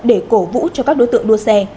để cổ vũ cho các đối tượng đua xe